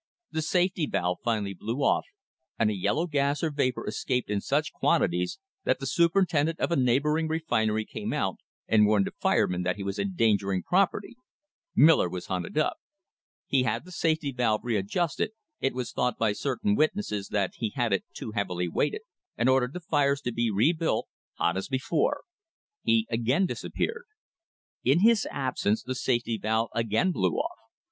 The safety valve finally blew off, and a yellow gas or vapour escaped in such quantities that the superintendent of a neighbouring re finery came out and warned the fireman that he was endanger ing property. Miller was hunted up. He had the safety valve readjusted it was thought by certain witnesses that he had it too heavily weighted and ordered the fires to be rebuilt, hot as before. He again disappeared. In his absence the safety valve again blew off.